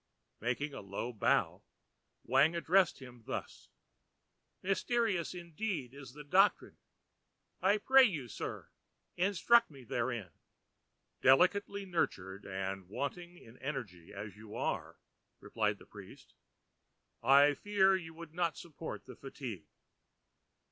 Making a low bow, Wang addressed him thus:—ãMysterious indeed is the doctrine: I pray you, Sir, instruct me therein.ã ãDelicately nurtured and wanting in energy as you are,ã replied the priest, ãI fear you could not support the fatigue.